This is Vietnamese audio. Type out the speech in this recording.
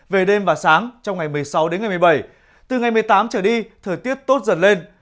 về đêm và sáng trong ngày một mươi sáu đến ngày một mươi bảy từ ngày một mươi tám trở đi thời tiết tốt giật lên